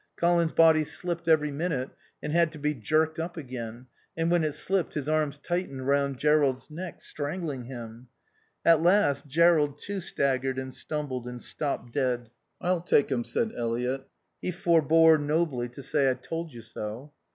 Colin's body slipped every minute and had to be jerked up again; and when it slipped his arms tightened round Jerrold's neck, strangling him. At last Jerrold, too, staggered and stumbled and stopped dead. "I'll take him," said Eliot. He forbore, nobly, to say "I told you so."